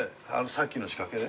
さっきの仕掛けで？